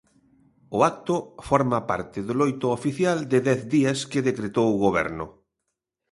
O acto forma parte do loito oficial de dez días que decretou o goberno.